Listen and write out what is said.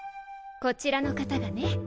こちらの方がね。